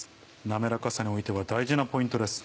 滑らかさにおいては大事なポイントです。